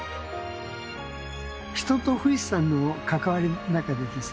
人と富士山の関わりの中でですね